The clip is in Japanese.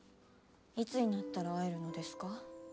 いつになったら会えるのですか。